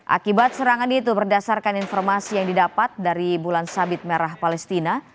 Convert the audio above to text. akibat serangan itu berdasarkan informasi yang didapat dari bulan sabit merah palestina